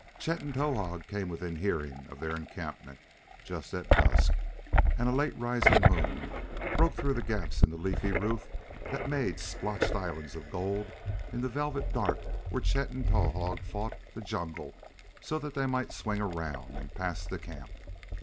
Chet and Towahg came within hearing of their encampment just at dusk, and a late rising moon broke through the gaps in the leafy roof to make splotched islands of gold in the velvet dark where Chet and Towahg fought the jungle so they might swing around and past the camp.